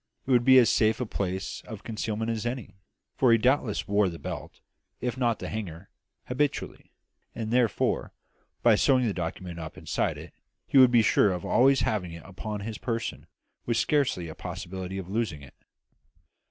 It would be as safe a place of concealment as any; for he doubtless wore the belt, if not the hanger, habitually; and therefore, by sewing the document up inside it, he would be sure of always having it upon his person, with scarcely a possibility of losing it.